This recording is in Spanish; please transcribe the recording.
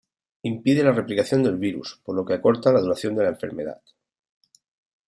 Impide la replicación del virus, por lo que acorta la duración de la enfermedad.